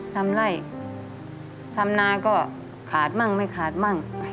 ทำไล่ทำนาก็ขาดมั่งไม่ขาดมั่ง